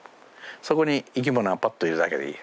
そこに生き物がパッといるだけでいい。